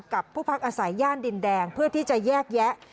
กับผู้พักอาศัยย่านดินแดงเพื่อที่จะแยกแยะ